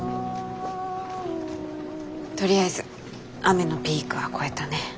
とりあえず雨のピークは越えたね。